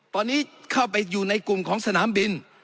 ตอนนี้เข้าไปอยู่ในกลุ่มของสนามบิน